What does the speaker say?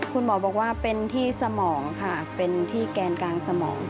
คุณหมอบอกว่าเป็นที่สมองค่ะเป็นที่แกนกลางสมอง